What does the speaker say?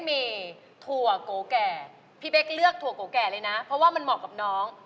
พี่เป๊กเลือกถั่วโกแกแล้วนะเพราะมันเหมาะกับน้อง